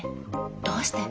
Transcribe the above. どうして？